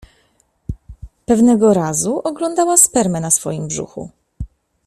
Pewnego razu oglądała spermę na swoim brzuchu.